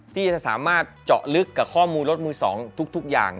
ที่จะสามารถเจาะลึกกับข้อมูลรถมือ๒ทุกอย่าง